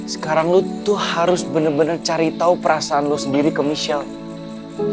sekarang lo tuh harus bener bener cari tahu perasaan lo sendiri ke michelle